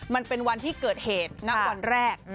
มันเป็นวันที่เกิดเหตุณวันแรก